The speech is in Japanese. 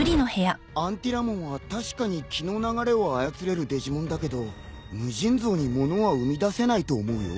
アンティラモンは確かに気の流れを操れるデジモンだけど無尽蔵にものは生み出せないと思うよ。